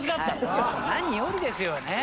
何よりですよね。